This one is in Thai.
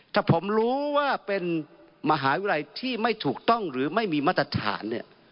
ถ้าผมรู้ว่าเป็นมหาวิทยาลัยที่ไม่ถูกต้องหรือไม่มีมาตรฐานเนี่ย